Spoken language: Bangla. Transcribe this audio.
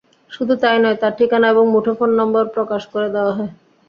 শুধু তাই নয়, তাঁর ঠিকানা এবং মুঠোফোন নম্বর প্রকাশ করে দেওয়া হয়।